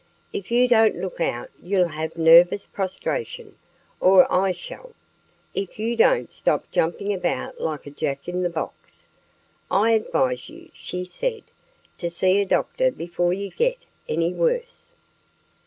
"If you don't look out you'll have nervous prostration or I shall, if you don't stop jumping about like a jack in the box. I advise you," she said, "to see a doctor before you get any worse."